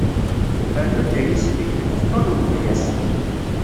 Rnu-d ay isli, lfeṭṭa n umeqyas.